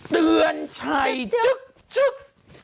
เตือนชัยจ๊อกจ๊อก